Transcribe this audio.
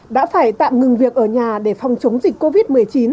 đã phải tạm ngừng việc ở nhà để phòng chống dịch covid một mươi chín